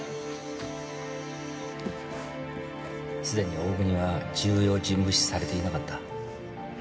すでに大國は重要人物視されていなかった。